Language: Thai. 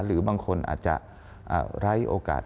หรือบางคนอาจจะไร้โอกาส